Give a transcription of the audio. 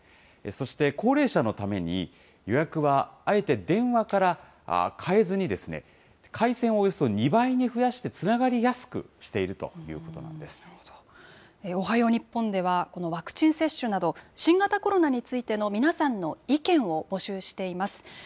そして高齢者のために、予約はあえて電話から変えずに、回線をおよそ２倍に増やして、つながりやすくしているということおはよう日本では、このワクチン接種など、新型コロナについての皆さんの意見を募集しています。